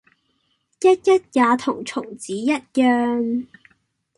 ——也同蟲子一樣，